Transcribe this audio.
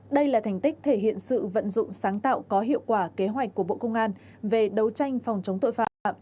đây là thành tích thể hiện sự vận dụng sáng tạo có hiệu quả kế hoạch của bộ công an về đấu tranh phòng chống tội phạm